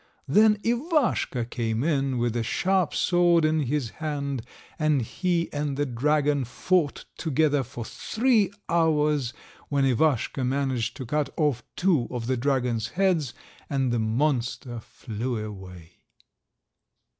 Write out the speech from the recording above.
Then Ivaschka came in with a sharp sword in his hand, and he and the dragon fought together for three hours, when Ivaschka managed to cut off two of the dragon's heads, and the monster flew away.